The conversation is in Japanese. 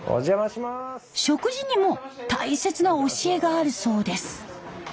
食事にも大切な教えがあるそうです。